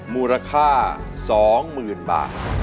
มูลค่าสองหมื่นบาท